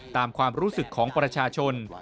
ตามความรู้สึกของประชาชน